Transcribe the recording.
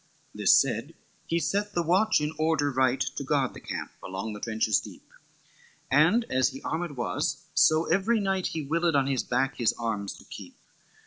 XVI "This said, he set the watch in order right To guard the camp, along the trenches deep, And as he armed was, so every knight He willed on his back his arms to keep.